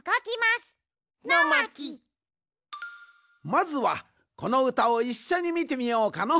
まずはこのうたをいっしょにみてみようかの。